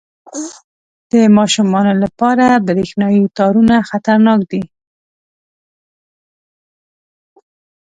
• د ماشومانو لپاره برېښنايي تارونه خطرناک دي.